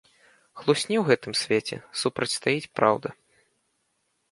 Хлусні ў гэтым свеце супрацьстаіць праўда.